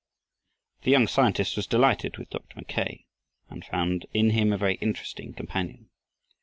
The young scientist was delighted with Dr. Mackay and found in him a very interesting companion.